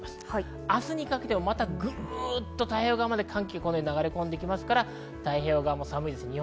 明日にかけてもグッと太平洋側まで寒気が流れ込んできますから、太平洋側も寒いです。